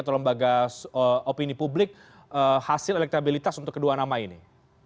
atau lembaga opini publik hasil elektabilitas untuk kedua nama ini